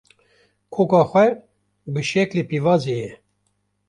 Koka xwe bi şeklê pîvazê ye